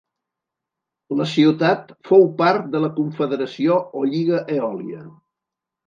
La ciutat fou part de la confederació o Lliga Eòlia.